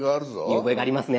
見覚えがありますね。